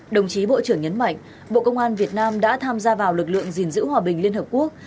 đồng chí bộ trưởng nhấn mạnh bộ công an việt nam đã tham gia vào lực lượng gìn giữ hòa bình liên hợp quốc